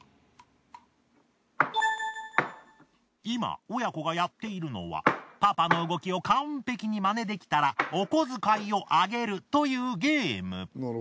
今親子がやっているのはパパの動きを完璧にマネ出来たらお小遣いをあげるというゲーム。